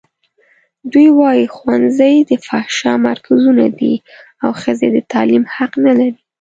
دوی وايي ښوونځي د فحشا مرکزونه دي او ښځې د تعلیم حق نه لري.